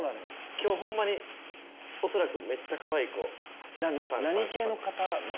今日ホンマに恐らくめっちゃかわいい子な何系の方なの？